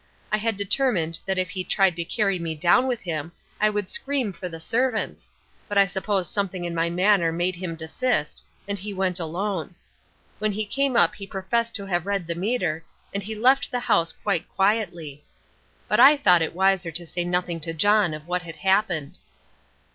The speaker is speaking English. I had determined that if he tried to carry me down with him I would scream for the servants, but I suppose something in my manner made him desist, and he went alone. When he came up he professed to have read the meter and he left the house quite quietly. But I thought it wiser to say nothing to John of what had happened.